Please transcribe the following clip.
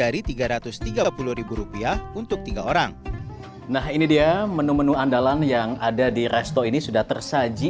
rp tiga puluh untuk tiga orang nah ini dia menu menu andalan yang ada di resto ini sudah tersaji